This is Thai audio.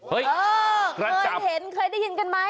เคยเห็นเคยได้ยินกันไหม